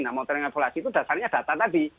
nah motong evaluasi itu dasarnya data tadi